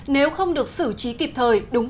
nếu không được xử trí kịp thời đúng